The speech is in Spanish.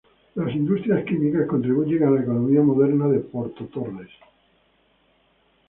Las industrias químicas contribuyen a la economía moderna de Porto Torres.